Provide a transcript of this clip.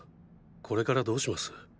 これからどうします？